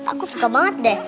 aku suka banget deh